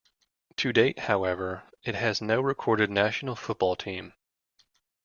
To date, however, it has no recorded national football team.